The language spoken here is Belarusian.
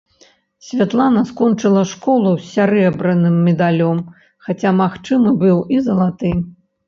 Святлана скончыла школу з сярэбраным медалём, хаця магчымы быў і залаты.